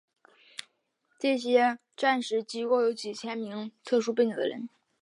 这些战时机构有几千名背景特殊的人。